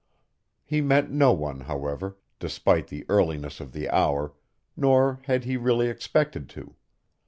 He met no one, however, despite the earliness of the hour, nor had he really expected to.